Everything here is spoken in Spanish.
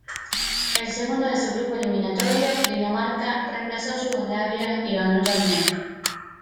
El segundo de su grupo eliminatorio, Dinamarca, reemplazó a Yugoslavia y ganó el torneo.